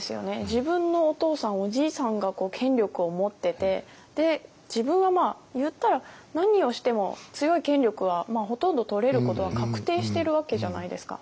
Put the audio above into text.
自分のお父さんおじいさんが権力を持ってて自分はまあ言ったら何をしても強い権力はほとんど取れることは確定してるわけじゃないですか。